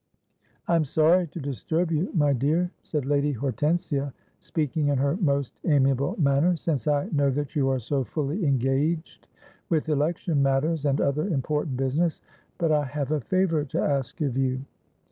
'I am sorry to disturb you, my dear,' said Lady Hortensia, speaking in her most amiable manner, 'since I know that you are so fully engaged with election matters and other important business; but I have a favour to ask of you.